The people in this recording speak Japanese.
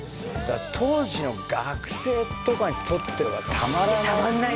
当時の学生とかにとってはたまらない